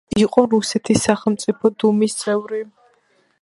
იყო რუსეთის სახელმწიფო დუმის წევრი.